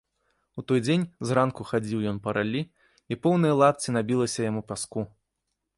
У той дзень зранку хадзіў ён па раллі, і поўныя лапці набілася яму пяску.